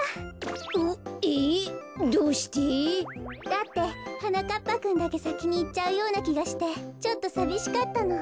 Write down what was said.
だってはなかっぱくんだけさきにいっちゃうようなきがしてちょっとさびしかったの。